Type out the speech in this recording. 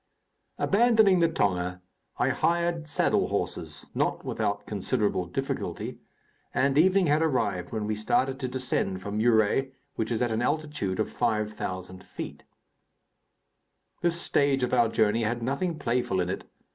Abandoning the tonga, I hired saddle horses not without considerable difficulty and evening had arrived when we started to descend from Muré, which is at an altitude of 5,000 feet. This stage of our journey had nothing playful in it.